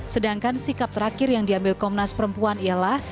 sedangkan sikap terakhir yang diambil komnas perempuan ialah